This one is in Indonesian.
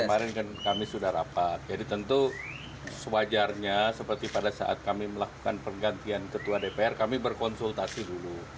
kemarin kan kami sudah rapat jadi tentu sewajarnya seperti pada saat kami melakukan pergantian ketua dpr kami berkonsultasi dulu